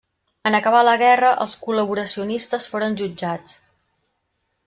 En acabar la guerra, els col·laboracionistes foren jutjats.